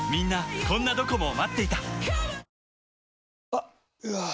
あっ、うわー。